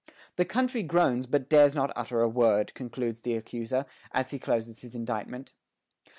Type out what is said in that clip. "The country groans, but dares not utter a word," concludes the accuser, as he closes his indictment.